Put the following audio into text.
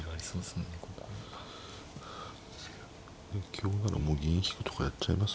香ならもう銀引くとかやっちゃいます？